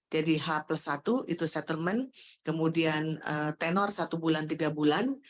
jadi h plus satu itu settlement kemudian tenor satu bulan tiga bulan